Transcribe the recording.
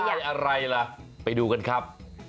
อะไรล่ะไปดูกันครับ